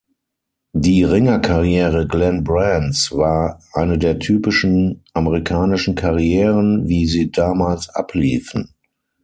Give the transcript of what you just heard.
Die Ringerkarriere Glen Brands war eine der typischen amerikanischen Karrieren, wie sie damals abliefen.